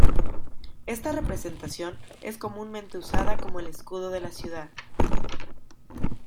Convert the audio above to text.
Esta representación es comúnmente usada como el escudo de la ciudad.